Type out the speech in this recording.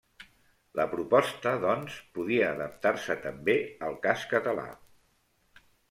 La proposta, doncs, podia adaptar-se també al cas català.